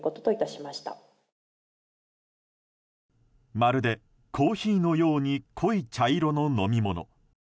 まるでコーヒーのように濃い茶色の飲み物。